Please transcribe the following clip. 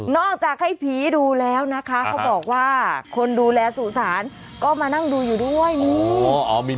จากให้ผีดูแล้วนะคะเขาบอกว่าคนดูแลสู่สารก็มานั่งดูอยู่ด้วยนี่